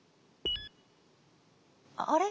あれ？